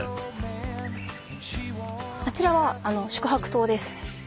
あちらは宿泊棟です。